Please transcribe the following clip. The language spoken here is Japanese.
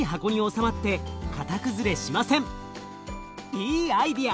いいアイデア！